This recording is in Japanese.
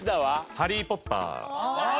『ハリー・ポッター』。